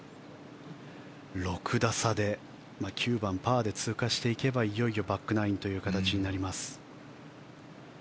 ６打差で９番、パーで通過していけばいよいよバックナインという形になります。